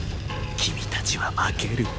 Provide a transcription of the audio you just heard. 君たちは負ける。